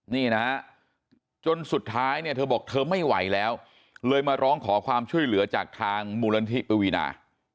นี่นะจนสุดท้ายเนี่ยเธอบอกเธอไม่ไหวแล้วเลยมาร้องขอความช่วยเหลือจากทางมูลนิธิปวีนา